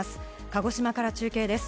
鹿児島から中継です。